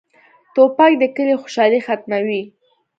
توپک د کلي خوشالي ختموي.